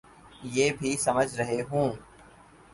یہ بھی سمجھ رہے ہوں۔